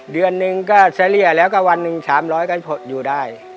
เดือนหนึ่งก็เฉลี่ยแล้วก็วันหนึ่ง๓๐๐ก็อยู่ได้